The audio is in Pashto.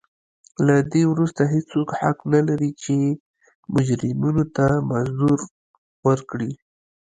له دې وروسته هېڅوک حق نه لري چې مجرمینو ته مزد ورکړي.